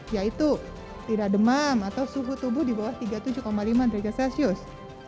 yaitu tidak demam atau suhu tubuh di bawah tiga puluh tujuh lima derajat celcius